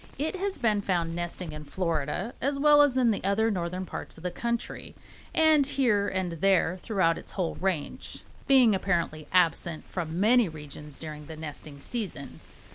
It has been found nesting in Florida as well as in the more northern parts of the country, and here and there throughout its whole range, being apparently absent from many regions during the nesting season.